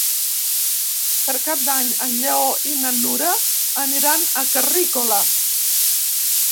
Per Cap d'Any en Lleó i na Nura aniran a Carrícola.